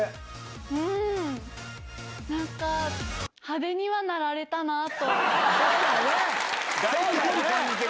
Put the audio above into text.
うーん、なんか、派手にはなられたなと。